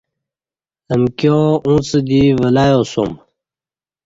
امکیاں اݩڅ دی ولیاسوم